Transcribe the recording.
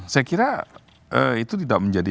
saya kira itu tidak menjadi